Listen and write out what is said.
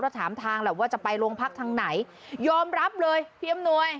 แล้วถามทางแหละว่าจะไปโรงพักทางไหนยอมรับเลยพี่อำนวย